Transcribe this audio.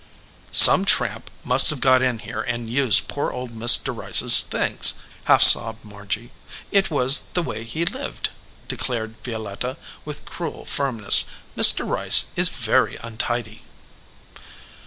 "Some tramp must have got in here and used poor old Mr. Rice s things," half sobbed Margy. "It was the way he lived," declared Violetta, with cruel firmness. "Mr. Rice is very untidy."